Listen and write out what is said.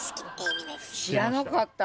知らなかった。